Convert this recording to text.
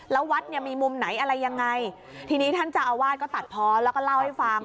แล้ววัดเนี่ยมีมุมไหนอะไรยังไงทีนี้ท่านเจ้าอาวาสก็ตัดเพาะแล้วก็เล่าให้ฟัง